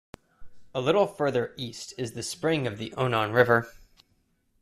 A little further east is the spring of the Onon River.